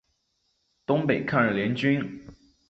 东北抗日联军。